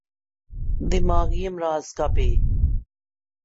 دماغی امراض کا ب